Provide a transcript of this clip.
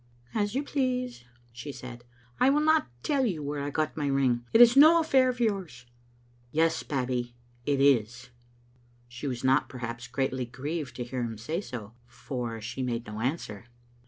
"As you please," she said. "I will not tell you where I got my ring. It is no affair of yours." "Yes, Babbie, it is." She was not, perhaps, greatly grieved to hear him say so, for she made no answer.